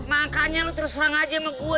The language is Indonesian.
makanya lu terus terang aja sama gue